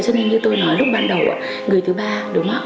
cho nên như tôi nói lúc ban đầu người thứ ba đúng không ạ